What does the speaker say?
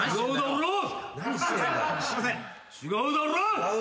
違うだろう！